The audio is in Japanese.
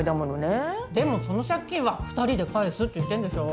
でもその借金は２人で返すって言ってるんでしょ？